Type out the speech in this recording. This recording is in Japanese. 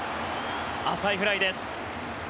浅いフライです。